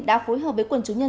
đã phối hợp với quần chú nhân dân